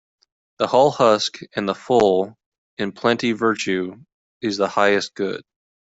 The hull husk and the full in plenty Virtue is the highest good.